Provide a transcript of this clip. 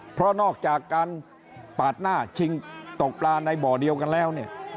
เพราะนอกจากการปาดหน้าชิงตกปลาในบ่อเดียวกันแล้วเนี่ย